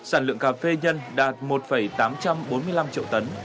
sản lượng cà phê nhân đạt một tám trăm bốn mươi năm triệu tấn